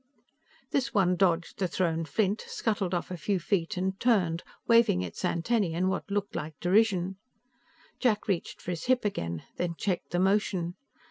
This one dodged the thrown flint, scuttled off a few feet and turned, waving its antennae in what looked like derision. Jack reached for his hip again, then checked the motion.